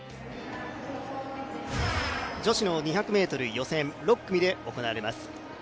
女子の２００ｍ予選、６組で行われます。